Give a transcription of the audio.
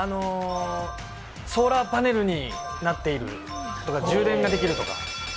ソーラーパネルになっている、充電ができるとか。